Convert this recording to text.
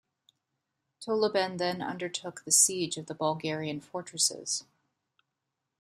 Totleben then undertook the siege of the Bulgarian fortresses.